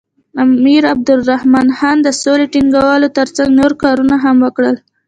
امیر عبدالرحمن خان د سولې ټینګولو تر څنګ نور کارونه هم وکړل.